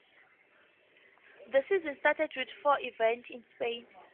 The season started with four events in Spain.